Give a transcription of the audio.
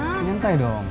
nanti nantai dong